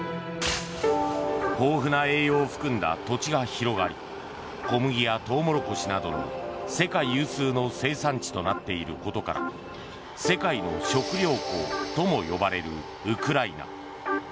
豊富な栄養を含んだ土地が広がり小麦やトウモロコシなどの世界有数の生産地となっていることから世界の食糧庫とも呼ばれるウクライナ。